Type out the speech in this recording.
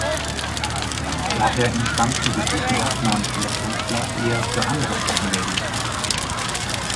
Daher entstanden die guten Aufnahmen vieler Künstler eher für andere Plattenlabels.